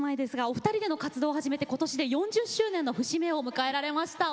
お二人での活動を始めて今年で４０年の節目を迎えました。